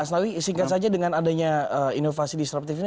pak asnawi singkat saja dengan adanya inovasi disruptif ini